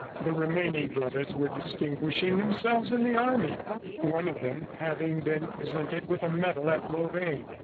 The remaining brothers were distinguishing themselves in the army, one of them having been presented with a medal at Lorraine.